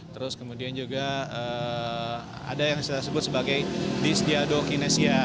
terus kemudian juga ada yang kita sebut sebagai disdiadokinesia